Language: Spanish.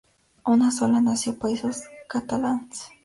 Una sola nació, Països Catalans!